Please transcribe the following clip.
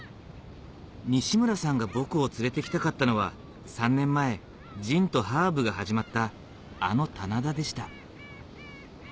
西村さんが僕を連れてきたかったのは３年前ジンとハーブが始まったあの棚田でした